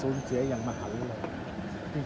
เสียอย่างมหันเลย